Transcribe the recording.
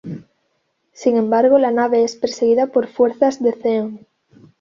Sin embargo la nave es perseguida por fuerzas de Zeon.